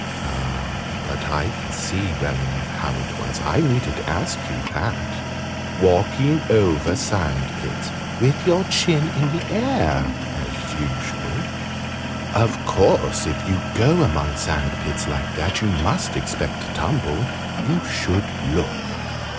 But I can see well enough how it was I needn't ask you that walking over sand pits with your chin in the air, as usual. Of course if you go among sand pits like that, you must expect to tumble. You should look."